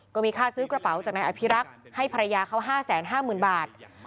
ก็มีค่าซื้อกระเป๋าจากนายอภิรักษ์ให้ภรรยาเขา๕๕๐๐๐บาท